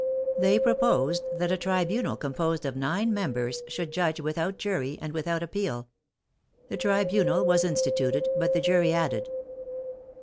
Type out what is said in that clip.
They proposed that a tribunal composed of nine members should judge without jury and without ap peal. The tribunal was instituted but the jury added.